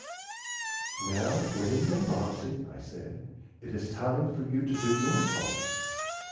"Now, Winnie and Bobsey," I said, "it is time for you to do your part.